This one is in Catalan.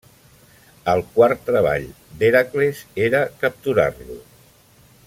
El quart treball d'Hèracles era capturar-lo.